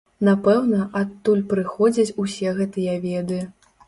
Напэўна, адтуль прыходзяць усе гэтыя веды.